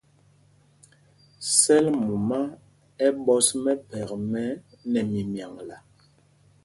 Sɛl mumá ɛ ɓɔs mɛphɛk mɛ́ nɛ mimyaŋla.